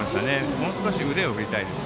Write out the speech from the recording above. もう少し腕を振りたいです。